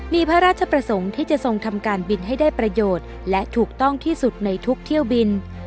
มีพระราชประสงค์ที่จะทรงทำการบินให้ได้ประโยชน์และถูกต้องที่สุดในทุกเที่ยวบิน